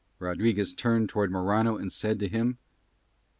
Rodriguez turned toward Morano and said to him